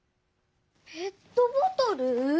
ペットボトル？